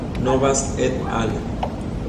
Novas "et al.